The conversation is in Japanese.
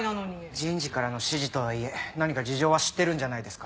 人事からの指示とはいえ何か事情は知ってるんじゃないですか？